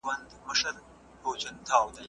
تعليم د فرد شخصيت پياوړی کوي.